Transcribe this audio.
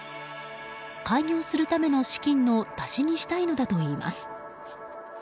開業するための、資金の足しにしたいのだといいます。